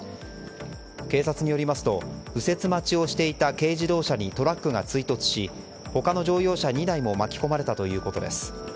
警察によりますと右折待ちをしていた軽自動車にトラックが追突し他の乗用車２台も巻き込まれたということです。